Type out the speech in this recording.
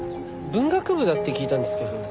文学部だって聞いたんですけど。